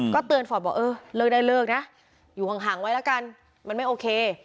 เตือนฟอร์ตบอกเออเลิกได้เลิกนะอยู่ห่างไว้แล้วกันมันไม่โอเค